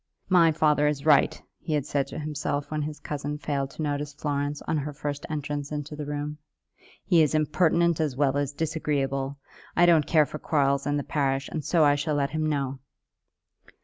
"My father is right," he had said to himself when his cousin failed to notice Florence on her first entrance into the room; "he is impertinent as well as disagreeable. I don't care for quarrels in the parish, and so I shall let him know."